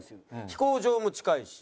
飛行場も近いし。